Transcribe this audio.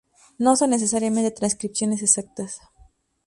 No son necesariamente transcripciones exactas.